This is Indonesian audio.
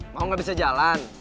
mau gak bisa jalan